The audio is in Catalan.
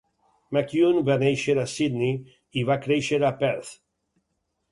McCune va néixer a Syndey i va créixer a Perth.